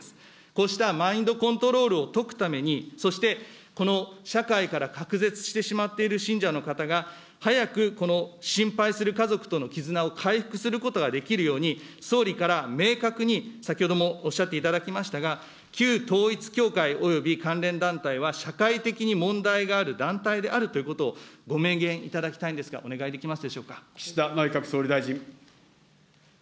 こうしたマインドコントロールを解くために、そしてこの社会から隔絶してしまっている信者の方が、早くこの心配する家族との絆を回復することができるように、総理から明確に、先ほどもおっしゃっていただきましたが、旧統一教会および関連団体は社会的に問題がある団体であるということを、ご明言いただきたいんですが、お願岸田内閣総理大臣。